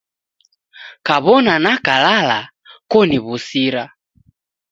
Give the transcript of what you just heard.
Kaw'ona nakalala koniw'usira.